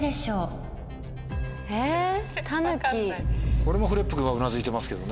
これもフレップ君はうなずいてますけどね。